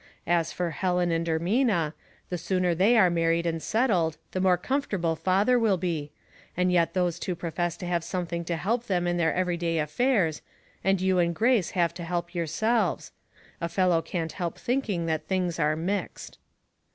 As for Helen and Ermina, the sooner they are married and settled the more comfortable father will be ; and yet those two profess to have something to help them in their every day affairs, and you and Grace have to help yourselves. A fellow can't help thinking that things are mixed."